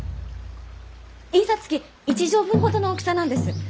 印刷機一畳分ほどの大きさなんです。